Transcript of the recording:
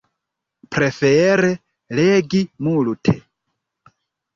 Prefere legi multe.